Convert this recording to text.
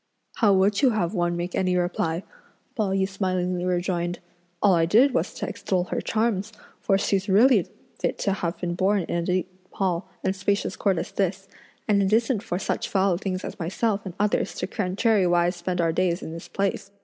"How would you have one make any reply?" Pao yü smilingly rejoined; "all I did was to extol her charms; for she's really fit to have been born in a deep hall and spacious court as this; and it isn't for such foul things as myself and others to contrariwise spend our days in this place!"